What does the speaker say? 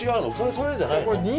それじゃないの？